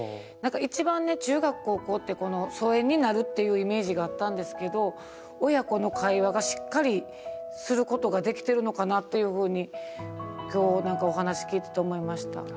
なんか一番ね中学高校って疎遠になるっていうイメージがあったんですけど親子の会話がしっかりすることができてるのかなっていうふうに今日なんかお話聞いてて思いました。